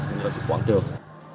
cũng như quảng trường